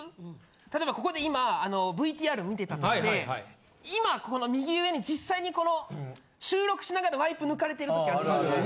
例えばここで今ＶＴＲ見てたとして今ここの右上に実際にこの収録しながらワイプ抜かれてるときあるじゃないですか。